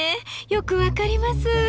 よく分かります。